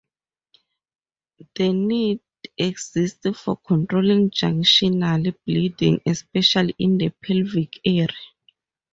The need exists for controlling junctional bleeding, especially in the pelvic area.